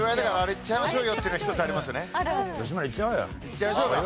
行っちゃいましょう。